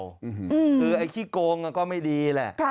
คือไอ้ขี้โกงก็ไม่ดีแหละ